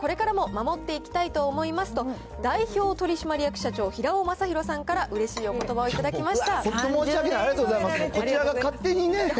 この味をこれからも守っていきたいと思いますと、代表取締役社長、平尾正弘さんから、うれしいおことばを頂きました。